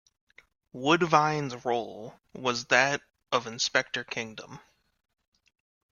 Woodvine's role was that of Inspector Kingdom.